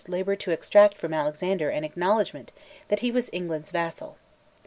laboured to extract from Alexander an acknowledgment that he was England's vassal.